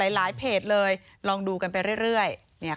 หลายเพจเลยลองดูกันไปเรื่อย